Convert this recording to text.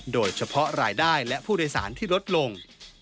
โดยเฉพาะรายได้และผู้โดยสารที่ลดลง